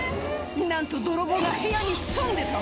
なんと泥棒が部屋に潜んでた！